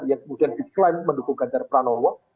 yang kemudian diklaim mendukung ganjar pranowo